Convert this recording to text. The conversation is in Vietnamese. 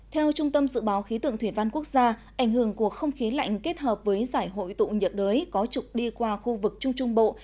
theo trung tâm dự báo khí tượng thủy văn quốc gia ảnh hưởng của không khí lạnh kết hợp với giải hội tụ nhiệt đới có trục đi qua khu vực trung trung bộ